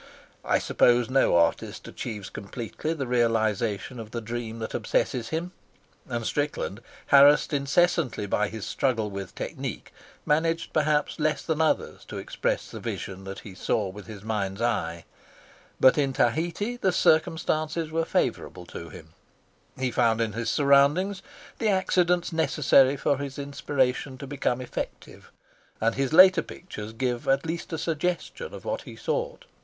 I suppose no artist achieves completely the realisation of the dream that obsesses him, and Strickland, harassed incessantly by his struggle with technique, managed, perhaps, less than others to express the vision that he saw with his mind's eye; but in Tahiti the circumstances were favourable to him; he found in his surroundings the accidents necessary for his inspiration to become effective, and his later pictures give at least a suggestion of what he sought.